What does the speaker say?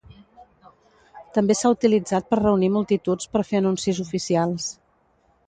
També s'ha utilitzat per reunir multituds per fer anuncis oficials.